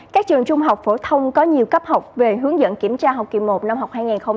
các trường trung học phổ thông có nhiều cấp học về hướng dẫn kiểm tra học kỳ một năm học hai nghìn một mươi chín hai nghìn hai mươi